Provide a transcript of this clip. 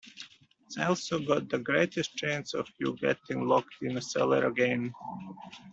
It's also got the greatest chance of you getting locked in a cellar again.